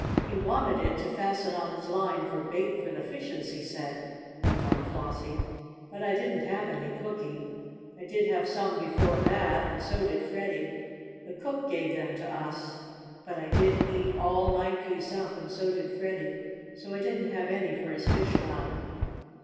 "He wanted it to fasten on his line for bait for the fishes, he said," went on Flossie. "But I didn't have any cookie. I did have some before that, and so did Freddie. The cook gave them to us, but I did eat all my piece up and so did Freddie. So I didn't have any for his fishline."